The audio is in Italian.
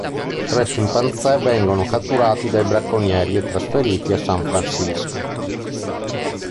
Tre scimpanzé vengono catturati dai bracconieri e trasferiti a San Francisco.